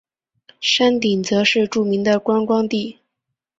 山顶则是著名的观光地。